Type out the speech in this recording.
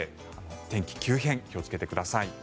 天気急変に気をつけてください。